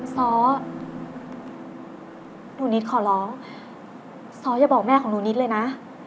ซ้อหนูนิดขอร้องซ้ออย่าบอกแม่ของหนูนิดเลยนะ